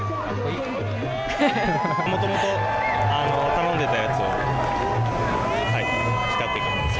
もともと頼んでたやつを着たって感じです。